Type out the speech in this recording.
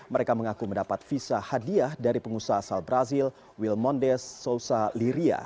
mereka mengaku mendapat visa hadiah dari pengusaha asal brazil wilmondes sosa liria